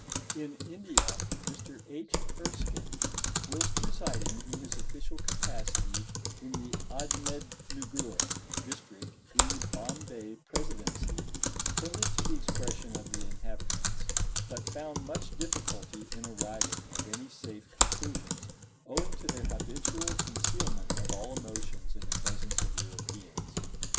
In India Mr. H. Erskine, whilst residing in his official capacity in the Admednugur District in the Bombay Presidency, attended to the expression of the inhabitants, but found much difficulty in arriving at any safe conclusions, owing to their habitual concealment of all emotions in the presence of Europeans.